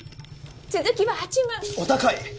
続きは８万お高い！